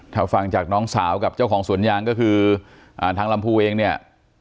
ถ้าฟังจากน้องสาวกับเจ้าของสวนยางก็คือทางลำพูเองเนี่ย